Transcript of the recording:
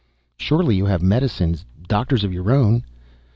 "Surely you have medicines, doctors of your own?"